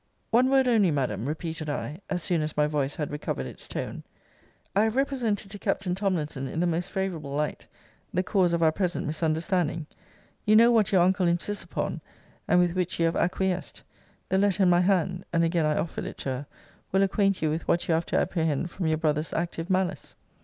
One word only, Madam, repeated I, (as soon as my voice had recovered its tone,) I have represented to Captain Tomlinson in the most favourable light the cause of our present misunderstanding. You know what your uncle insists upon, and with which you have acquiesced. The letter in my hand, [and again I offered it to her,] will acquaint you with what you have to apprehend from your brother's active malice.